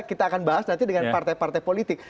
kita akan bahas nanti dengan partai partai politik